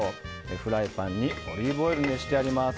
フライパンにオリーブオイルを熱してあります。